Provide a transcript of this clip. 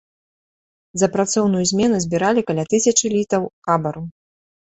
За працоўную змену збіралі каля тысячы літаў хабару.